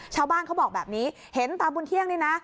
ชาวบ้านเขาบอกแบบนี้เห็นตาบุญเที่ยงนี่นะ